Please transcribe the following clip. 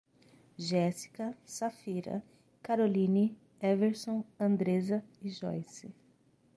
Jéssica, Safira, Caroline, Everson, Andreza e Joyce